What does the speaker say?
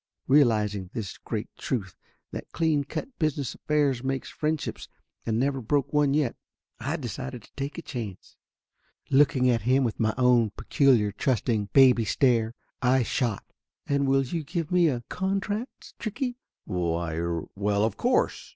Real izing this great truth, that clean cut business affairs makes friendships and never broke one yet, I decided to take a chance. Looking at him with my own pe culiar trusting, baby stare I shot. "And will you give me a contract, Stricky ?" "Why er well, of course!"